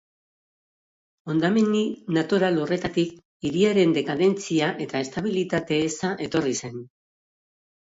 Hondamendi natural horretatik hiriaren dekadentzia eta estabilitate-eza etorri zen.